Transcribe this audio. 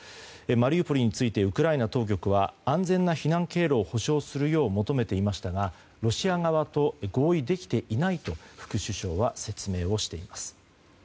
マリウポリについてウクライナ当局は安全な避難経路を保証するよう求めていましたがロシア側と合意できていないと副首相は説明をしています。